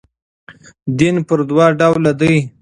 دین پر دوه ډوله دئ.